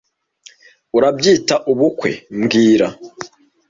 Urabyita ubukwe mbwira (fcbond)